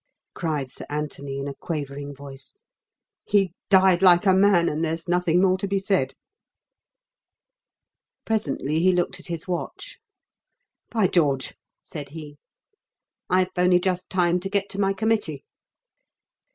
cried Sir Anthony, in a quavering voice, "he died like a man and there's nothing more to be said." Presently he looked at his watch. "By George," said he, "I've only just time to get to my Committee."